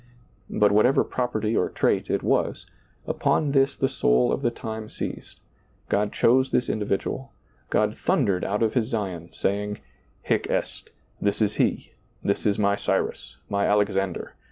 But whatever property or' trait it was, upon this the soul of the time seized ; God chose this indi vidual, God thundered out of His Zion, saying, " Hie est — This is he ; this is My Cyrus, My Alex ^lailizccbvGoOgle ander.